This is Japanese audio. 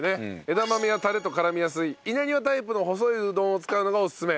枝豆やタレと絡みやすい稲庭タイプの細いうどんを使うのがおすすめ。